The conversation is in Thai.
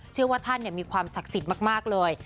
เชื่อว่าท่านมีความศักดิ์สิทธิ์มากเลย